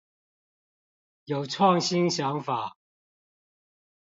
有創新想法